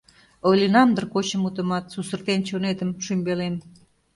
Ойленам дыр кочо мутымат, Сусыртен чонетым, шӱмбелем.